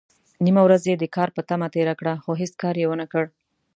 نيمه ورځ يې د کار په تمه تېره کړه، خو هيڅ کار يې ونکړ.